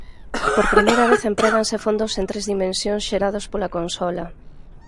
Por primeira vez empréganse fondos en tres dimensións xerados pola consola.